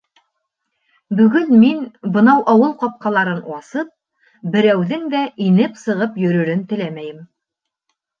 Бөгөн мин, бынау ауыл ҡапҡаларын асып, берәүҙең дә инеп-сығып йөрөрөн теләмәйем.